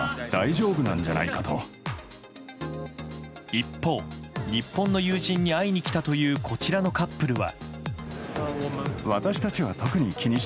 一方、日本の友人に会いに来たというこちらのカップルは。